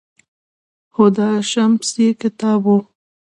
هُدا شمس یې کتابتون و